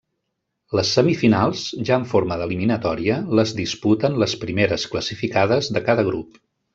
Les semifinals, ja en forma d'eliminatòria, les disputen les primeres classificades de cada grup.